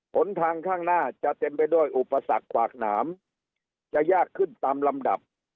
หนทางข้างหน้าจะเต็มไปด้วยอุปสรรคขวากหนามจะยากขึ้นตามลำดับ